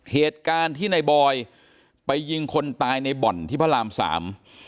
เหตุการณ์ที่ในบอยไปยิงคนตายในบ่อนที่พระรามสาม